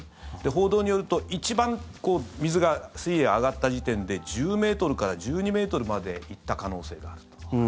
報道によると一番水が、水位が上がった時点で１０ｍから１２ｍまで行った可能性があると。